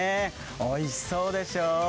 おいしそうでしょう。